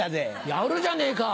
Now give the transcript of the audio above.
やるじゃねえか。